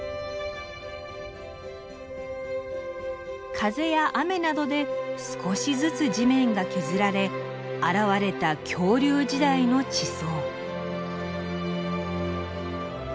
風や雨などで少しずつ地面が削られ現れた恐竜時代の地層。